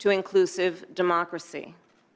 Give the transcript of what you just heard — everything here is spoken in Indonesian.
dan untuk mengembangkan jalan kemerdekaan di myanmar